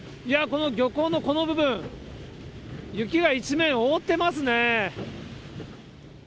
いやー、この漁港のこの部分、雪が一面覆ってますね。